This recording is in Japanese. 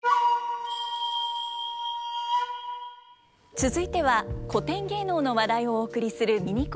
続いては古典芸能の話題をお送りするミニコーナーです。